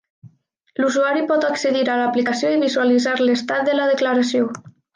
L'usuari pot accedir a l'aplicació i visualitzar l'estat de la declaració.